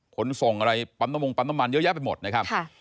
ขนส่งอะไรปั๊มน้ำมงปั๊มน้ำมันเยอะแยะไปหมดนะครับ